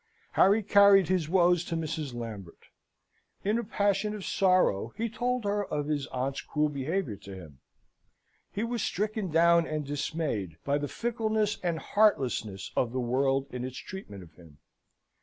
Harry carried his woes to Mrs. Lambert. In a passion of sorrow he told her of his aunt's cruel behaviour to him. He was stricken down and dismayed by the fickleness and heartlessness of the world in its treatment of him.